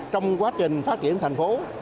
trong quá trình phát triển thành phố